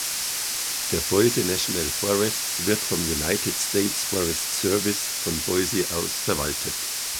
Der "Boise National Forest" wird vom United States Forest Service von Boise aus verwaltet.